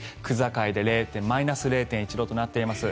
区界でマイナス０．１度となっています。